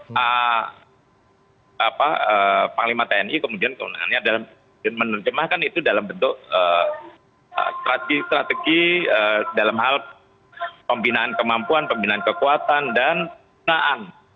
nah panglima tni kemudian kewenangannya dalam menerjemahkan itu dalam bentuk strategi dalam hal pembinaan kemampuan pembinaan kekuatan dan pembinaan